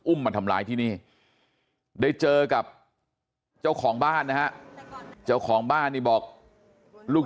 มาทำร้ายที่นี่ได้เจอกับเจ้าของบ้านนะฮะเจ้าของบ้านนี่บอกลูก